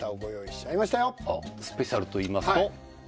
スペシャルといいますと？